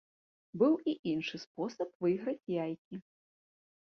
Быў і іншы спосаб выйграць яйкі.